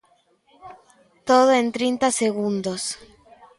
Todo en trinta segundos.